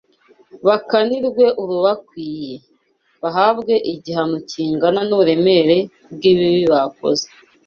Bakanirwe urubakwiye: bahabwe igihano kingana n’uburemere bw’ibibi bakoze